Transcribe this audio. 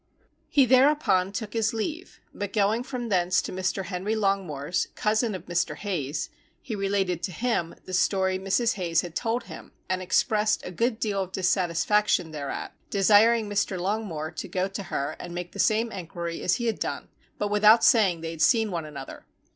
He thereupon took his leave; but going from thence to Mr. Henry Longmore's, cousin of Mr. Hayes, he related to him the story Mrs. Hayes had told him and expressed a good deal of dissatisfaction thereat, desiring Mr. Longmore to go to her and make the same enquiry as he had done, but without saying they had seen one another.